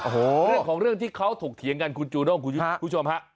เรื่องของเรื่องที่เขาถกเถียงกันคุณจูน้องคุณผู้ชมครับ